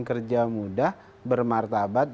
kerja mudah bermartabat